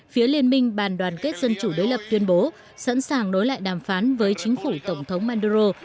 phía liên minh ban đoàn kết dân chủ đối lập tuyên bố sẵn sàng đối lại đàm phán với chính phủ tổng thống manduro